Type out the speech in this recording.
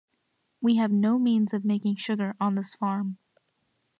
We have no means of making sugar on this farm.